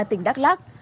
tình đắk lắc